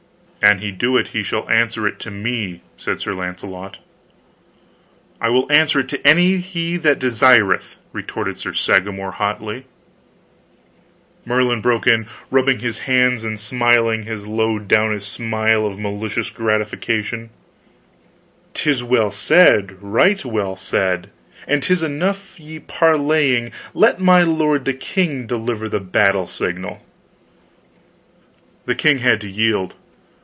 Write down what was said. "An he do it, he shall answer it to me," said Sir Launcelot. "I will answer it to any he that desireth!" retorted Sir Sagramor hotly. Merlin broke in, rubbing his hands and smiling his lowdownest smile of malicious gratification: "'Tis well said, right well said! And 'tis enough of parleying, let my lord the king deliver the battle signal." The king had to yield.